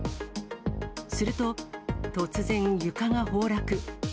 すると、突然、床が崩落。